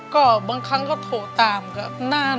ก็บางครั้งก็โทรตามก็นาน